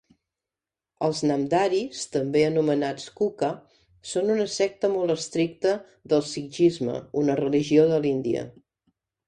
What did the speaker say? Els namdharis, també anomenat kuka, són una secta molt estricta del sikhisme, una religió de l'Índia.